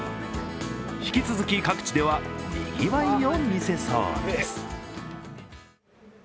引き続き、各地でにぎわいを見せそうです。